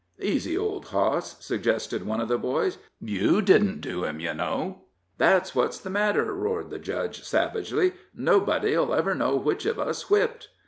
"Easy, old hoss," suggested one of the boys; "you didn't do him, yer know." "That's what's the matter!" roared the Judge, savagely; "nobody'll ever know which of us whipped."